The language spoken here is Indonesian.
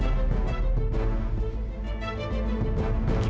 babe yang dibilang dewi